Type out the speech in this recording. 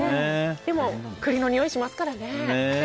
でも栗のにおいしますからね。